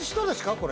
これ。